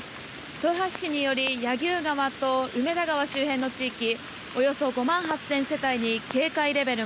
豊橋市により柳生川と梅田川周辺の地域およそ５万８０００世帯に警戒レベル